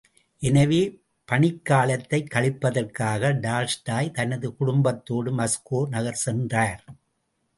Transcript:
எனவே, பனிக்காலத்தைக் கழிப்பதற்காக டால்ஸ்டாய் தனது குடும்பத்தோடு மாஸ்கோ நகர் சென்றார்.